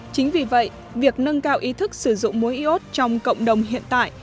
chính vì vậy việc nâng cao ý thức sử dụng muối y ốt trong cộng đồng hiện tại